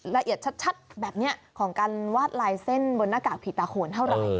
ละเอียดชัดแบบนี้ของการวาดลายเส้นบนหน้ากากผีตาโขนเท่าไหร่